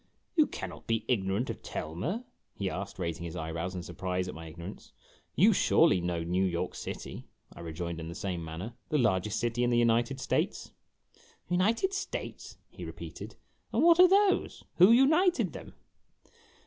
" You cannot be ignorant of Telmer ?' he asked, raising his eyebrows in surprise at my ignorance. "You surely know New York City?" I rejoined in the same manner. "The largest city in the United States!' 74 IMAGINOTIONS "United States," he repeated, "and what are those who united them